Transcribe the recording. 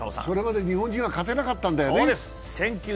それまで日本人は勝てなかったんだよね。